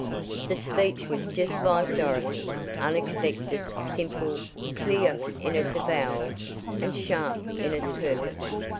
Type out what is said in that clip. The speech was just like Dorothy, unexpected, simple, clear in its avowals, and sharp in its purpose.